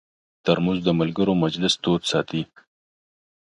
ترموز د ملګرو مجلس تود ساتي.